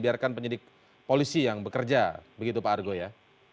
biarkan penyidik polisi yang bekerja begitu pak argo ya